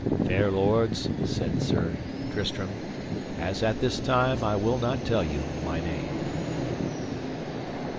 Fair lords, said Sir Tristram, as at this time I will not tell you my name.